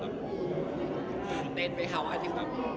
เต้นไหมครับอาทิตย์ประมาณ